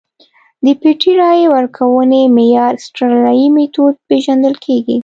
د پټې رایې ورکونې معیار اسټرالیايي میتود پېژندل کېږي.